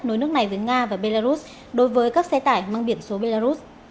nối nước này với nga và belarus đối với các xe tải mang biển số belarus